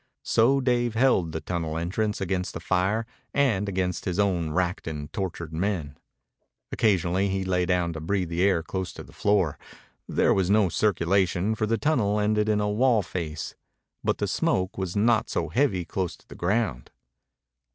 So Dave held the tunnel entrance against the fire and against his own racked and tortured men. Occasionally he lay down to breathe the air close to the floor. There was no circulation, for the tunnel ended in a wall face. But the smoke was not so heavy close to the ground.